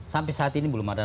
sampai saat ini belum ada